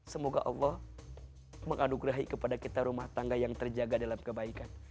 semoga allah menganugerahi kepada kita rumah tangga yang terjaga dalam kebaikan